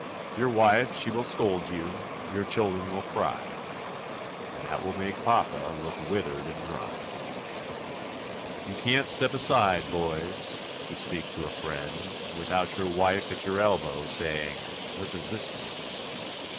Your wife she will scold you, Your children will cry, And that will make papa Look withered and dry. You can't step aside, boys, To speak to a friend Without your wife at your elbow Saying, "What does this mean?"